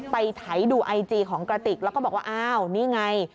ไถดูไอจีของกระติกแล้วก็บอกว่าอ้าวนี่ไง